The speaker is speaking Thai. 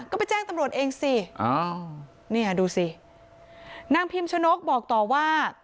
ก็ไปแจ้งตำรวจเองสิเนี่ยดูสินางพิมชนกบอกต่อว่า